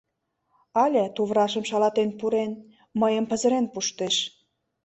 Але, туврашым шалатен пурен, мыйым пызырен пуштеш.